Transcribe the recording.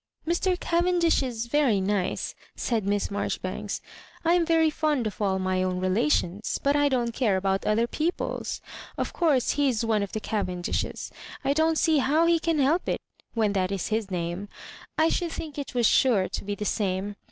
*' Mr. Cavendish is very nice," said Miss Mar joribanks. I am v€(ry fond of all my own re lations, but I don't care about other people's. Of course he is one of the Cavendishes. I don*t see how he can help it, when that is his nam a I should think it was sure to be the same.